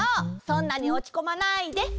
そんなにおちこまないで！